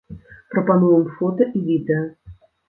Прапануем фота і відэа.